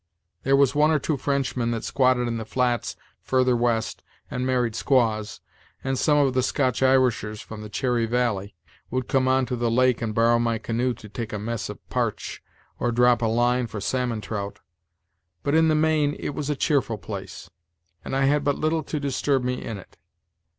There was one or two Frenchmen that squatted in the flats further west, and married squaws; and some of the Scotch Irishers, from the Cherry Valley, would come on to the lake, and borrow my canoe to take a mess of parch, or drop a line for salmon trout; but, in the main, it was a cheerful place, and I had but little to disturb me in it.